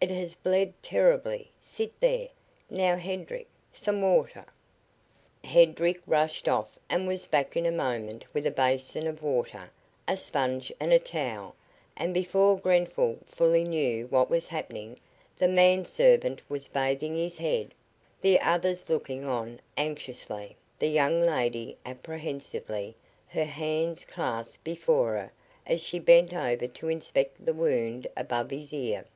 It has bled terribly. Sit there! Now, Hedrick, some water." Hedrick rushed off and was back in a moment with a basin of water, a sponge and a towel, and before Grenfall fully knew what was happening, the man servant was bathing his head, the others looking on anxiously, the young lady apprehensively, her hands clasped before her as she bent over to inspect the wound above his ear.